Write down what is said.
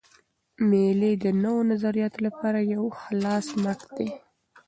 مېلې د نوو نظریاتو له پاره یو خلاص مټ دئ.